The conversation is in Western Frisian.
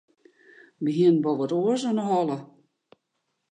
Wy hiene wol wat oars oan 'e holle.